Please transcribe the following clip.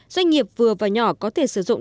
doanh nghiệp vừa và nhỏ có thể sử dụng